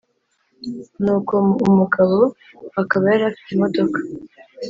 ni uko umugabo akaba yari afite imodoka